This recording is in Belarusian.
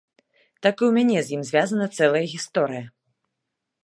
Так, і ў мяне з ім звязаная цэлая гісторыя.